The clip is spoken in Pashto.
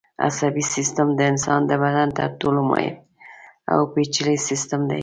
عصبي سیستم د انسان د بدن تر ټولو مهم او پېچلی سیستم دی.